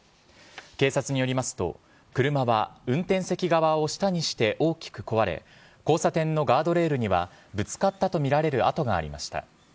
警察によりますと、車は運転席側を下にして大きく壊れ、交差点のガードレールには、ぶつかった見られる跡がありました。